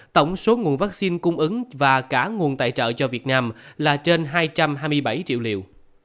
tổng số nguồn vaccine cung ứng và cả nguồn tài trợ cho việt nam là trên hai trăm hai mươi bảy triệu liều